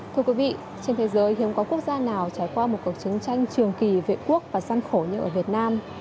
thưa quý vị trên thế giới hiếm có quốc gia nào trải qua một cuộc chiến tranh trường kỳ vệ quốc và gian khổ như ở việt nam